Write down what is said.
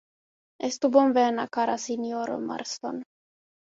Estu bonvena, kara sinjoro Marston!